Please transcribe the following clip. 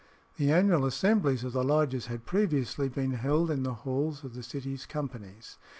The annual assemblies of the lodges had previously been held in the halls of the City's companies.